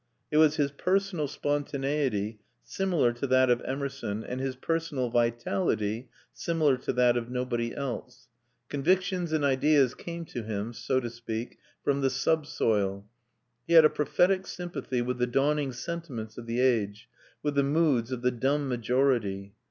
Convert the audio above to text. It was his personal spontaneity, similar to that of Emerson, and his personal vitality, similar to that of nobody else. Convictions and ideas came to him, so to speak, from the subsoil. He had a prophetic sympathy with the dawning sentiments of the age, with the moods of the dumb majority.